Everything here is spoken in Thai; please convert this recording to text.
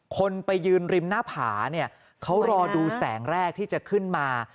คนไปยืนริมหน้าผาเนี่ยเขารอดูแสงแรกที่จะขึ้นมา